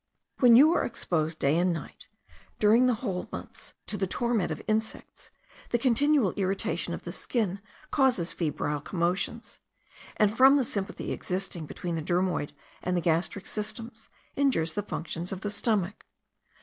When you are exposed day and night, during whole months, to the torment of insects, the continual irritation of the skin causes febrile commotions; and, from the sympathy existing between the dermoid and the gastric systems, injures the functions of the stomach.